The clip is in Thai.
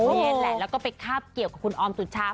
นี่แหละแล้วก็ไปคาบเกี่ยวกับคุณออมสุชา